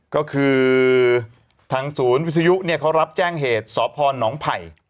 ก็คือทางศูนย์วิทยุเนี่ยเขารับแจ้งเหตุสพนไผ่